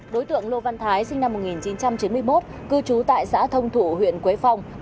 đối tượng lô văn thái sinh năm một nghìn chín trăm chín mươi một cư trú tại xã thông thủ huyện quế phong